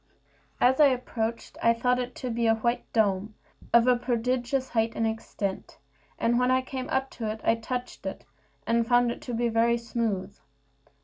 As I approached, I thought it to be a white dome, of a prodigious height and extent; and when I came up to it, I touched it, and found it to be very smooth.